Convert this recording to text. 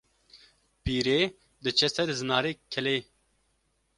Pîrê diçe ser Zinarê Kelê